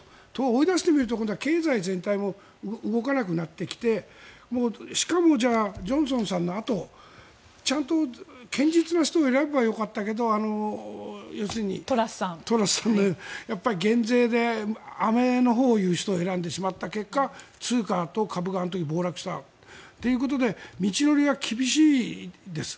追い出してみると経済全体も動かなくなってきてしかもジョンソンさんのあとちゃんと堅実な人を選べばよかったけど要するにトラスさんのように減税でアメのほうを言う人を選んでしまった結果通貨と株があの時、暴落したと。ということで道のりは厳しいです。